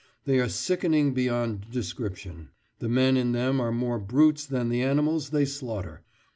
They are sickening beyond description. The men in them are more brutes than the animals they slaughter.